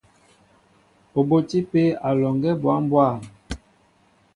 Ó botí pē alɔŋgɛ́ bwâm bwâm.